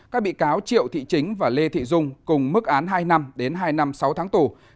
các bị cáo triệu thị chính và lê thị dung cùng mức án hai năm đến hai năm sáu tháng tù